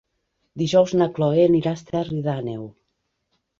Dijous na Cloè anirà a Esterri d'Àneu.